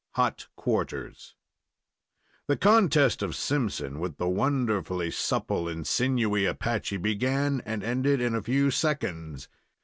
HOT QUARTERS The contest of Simpson with the wonderfully supple and sinewy Apache began and ended in a few seconds.